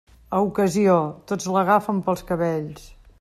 A Ocasió, tots l'agafen pels cabells.